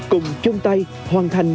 cùng chung tay hoàn thành